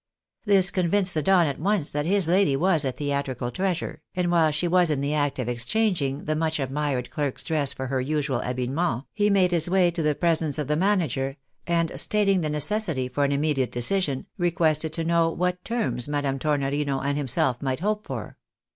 This convinced the Don at once that his lady was a theatrical treasure, and while she was in the act of exchanging the much admired clerk's dress for her usual habiliments, he made his way to the presence of the manager, and stating the necessity for an immediate decision, requested to know what terms Madame Tor norino and himself might hope for.